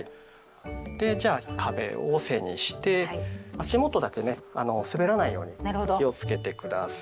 でじゃあ壁を背にして足元だけね滑らないように気をつけて下さい。